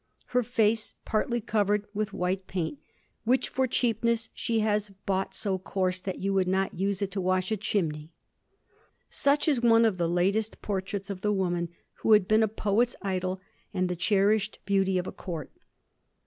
Her face ... partly covered ... with white paint, which for cheapness she has bought so coarse that you would not use it to wash a chimney.' Such is one of the latest por traits of the woman who had been a poet's idol and the cherished beauty of a Court.